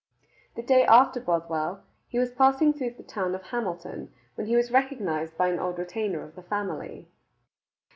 The day after Bothwell, he was passing through the town of Hamilton, when he was recognized by an old retainer of the family.